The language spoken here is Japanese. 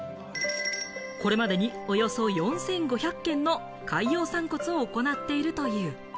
これまでにおよそ４５００件の海洋散骨を行っているという。